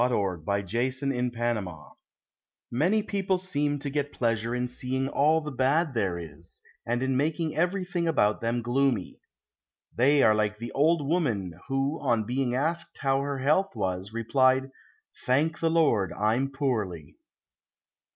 _ PHILOSOPHY FOR CROAKERS Many people seem to get pleasure in seeing all the bad there is, and in making everything about them gloomy. They are like the old woman who on being asked how her health was, replied: "Thank the Lord, I'm poorly."